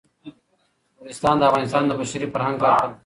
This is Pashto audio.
نورستان د افغانستان د بشري فرهنګ برخه ده.